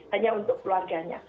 hanya untuk keluarganya